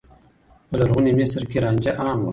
په لرغوني مصر کې رانجه عام و.